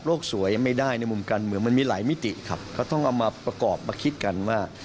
ต้องเอามาประกอบมาคิดกันว่า